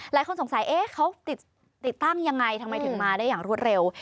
หลายคนสงสัยเอ๊ะเขาติดตั้งยังไงทำไมถึงมาได้อย่างรวดเร็ว